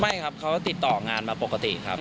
ไม่ครับเขาติดต่องานมาปกติครับ